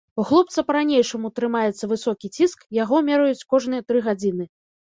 У хлопца па-ранейшаму трымаецца высокі ціск, яго мераюць кожныя тры гадзіны.